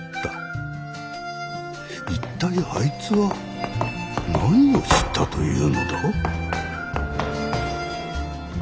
一体あいつは何を知ったというのだ？